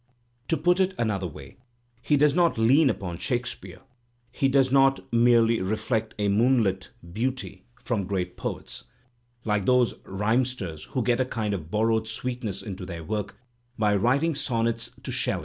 To put it another way, he does not lean upon Shakespeare; he does not merely reflect a moonlight beauty from great poets, like those rhymsters who get a kind of borrowed sweet ness into their work by writing soimets to Shelley.